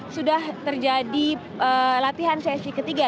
sudah terjadi latihan sesi ketiga